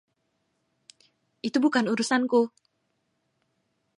Itu bukan urusanku.